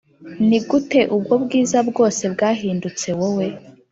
nigute ubwo bwiza bwose bwahindutse wowe?